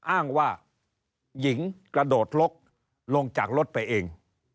อ้างว่าหญิงกระโดดลกลงจากรถไปเอง